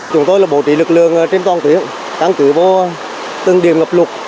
chúng tôi là bố trí lực lượng trên toàn tuyến